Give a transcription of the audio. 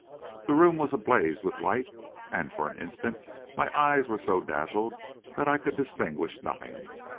The room was ablaze with light, and for an instant my eyes were so dazzled that I could distinguish nothing.